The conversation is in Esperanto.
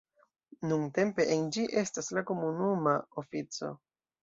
Nuntempe en ĝi estas la komunuma ofico.